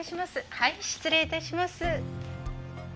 はい失礼致します。